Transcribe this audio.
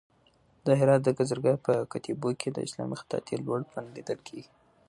د هرات د گازرګاه په کتيبو کې د اسلامي خطاطۍ لوړ فن لیدل کېږي.